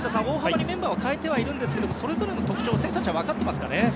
大幅にメンバーを変えてはいるんですがそれぞれの特徴を選手たちは分かっていますかね。